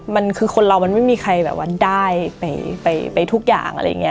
มันคือคนเรามันไม่มีใครแบบว่าได้ไปทุกอย่างอะไรอย่างนี้